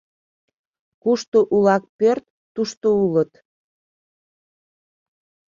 Кушто улак пӧрт, тушто улыт.